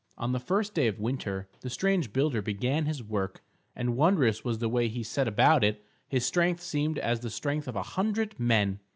On the first day of winter the strange builder began his work, and wondrous was the way he set about it. His strength seemed as the strength of a hundred men.